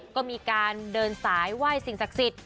ก็มีการเดินสายไหว้สิ่งศักดิ์สิทธิ